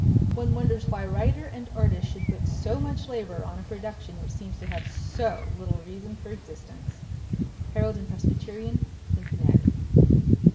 "One wonders why writer and artist should put so much labor on a production which seems to have so little reason for existence." Herald and Presbyterian, Cincinnati.